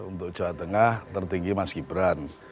untuk jawa tengah tertinggi mas gibran